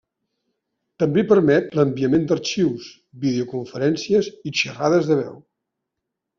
També permet l'enviament d'arxius, videoconferències i xarrades de veu.